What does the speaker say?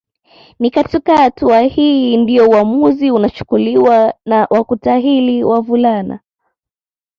Ni katika hatua hii ndio uamuzi unachukuliwa wa kutahiri wavulana